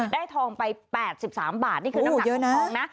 ได้ทองไปแปดสิบสามบาทนี่คือน้ำหนักของทองนะโอ้โหเยอะนะ